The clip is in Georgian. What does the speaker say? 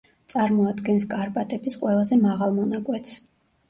წარმოადგენს კარპატების ყველაზე მაღალ მონაკვეთს.